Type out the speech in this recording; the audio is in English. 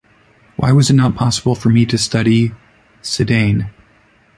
Why was it not possible for me to study Sedaine?